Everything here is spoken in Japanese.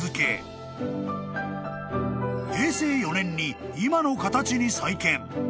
［平成４年に今の形に再建］